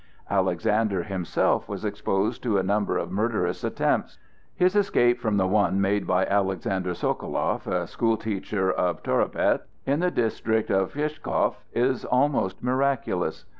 Alexander himself was exposed to a number of murderous attempts. His escape from the one made by Alexander Sokoloff, a school teacher of Toropetz, in the district of Pskoff, is almost miraculous.